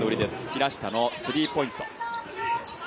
平下のスリーポイント。